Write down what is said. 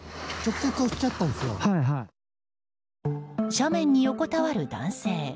斜面に横たわる男性。